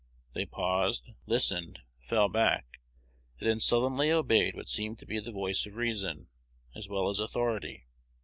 They paused, listened, fell back, and then sullenly obeyed what seemed to be the voice of reason, as well as authority.